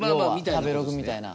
食べログみたいな。